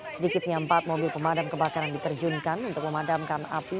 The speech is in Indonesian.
sedikitnya empat mobil pemadam kebakaran diterjunkan untuk memadamkan api